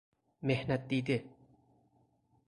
محنت دیده